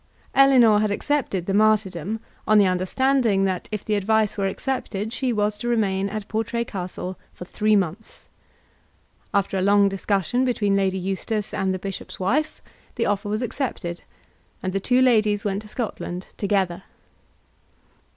Ellinor had accepted the martyrdom on the understanding that if the advice were accepted she was to remain at Portray Castle for three months. After a long discussion between Lady Eustace and the bishop's wife the offer was accepted, and the two ladies went to Scotland together.